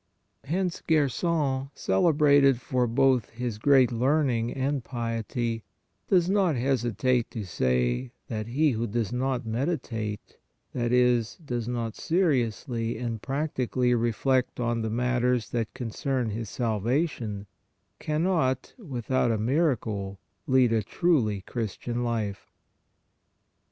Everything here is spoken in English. Hence Gerson, i6o PRAYER celebrated for both his great learning and piety, does not hesitate to say that " he who does not meditate, that is, does not seriously and practically reflect on the matters that concern his salvation, can not, without a miracle, lead a truly Christian life."